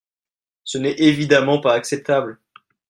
Ce n’est évidemment pas acceptable.